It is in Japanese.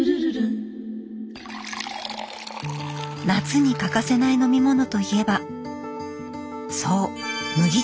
夏に欠かせない飲み物といえばそう麦茶。